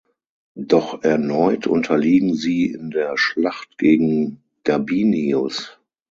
Doch erneut unterliegen sie in der Schlacht gegen Gabinius.